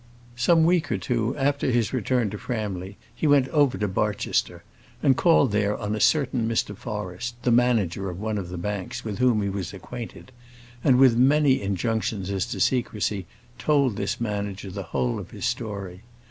Some week or two after his return to Framley he went over to Barchester, and called there on a certain Mr. Forrest, the manager of one of the banks, with whom he was acquainted; and with many injunctions as to secrecy told this manager the whole of his story.